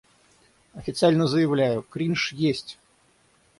Официально заявляю, кринж есть!